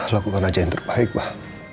lakukan aja yang terbaik lah